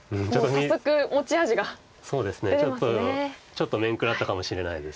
ちょっとめんくらったかもしれないです